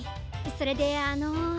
それであの。